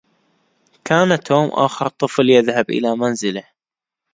كان توم آخر طفل يذهب إلى منزله.